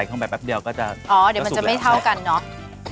เข้าไปแป๊บเดียวก็จะอ๋อเดี๋ยวมันจะไม่เท่ากันเนอะ